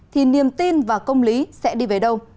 thì niềm tin và công lý sẽ đi về đâu